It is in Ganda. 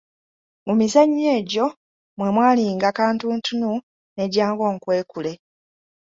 Mu mizannyo egyo mwe mwalinga kantuntunu ne jangu onkwekule.